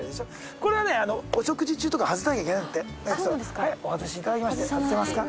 これはお食事中とか外さなきゃいけないんだってはいお外しいただきまして外せますか？